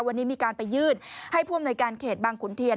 วันนี้มีการไปยื่นให้ผู้อำนวยการเขตบางขุนเทียน